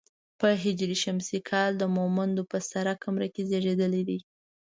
په هـ ش کال د مومندو په سره کمره کې زېږېدلی دی.